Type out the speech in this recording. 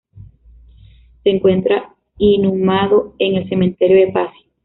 Se encuentra inhumado en el cementerio de Passy.